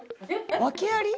訳あり？